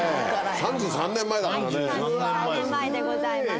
３３年前でございます。